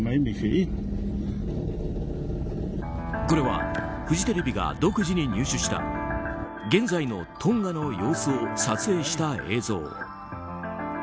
これはフジテレビが独自に入手した現在のトンガの様子を撮影した映像。